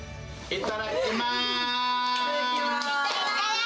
いただきます。